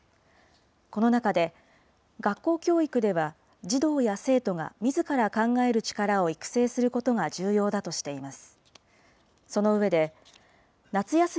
この中で、学校教育では、児童や生徒がみずから考える力を育成することが重要だとしています。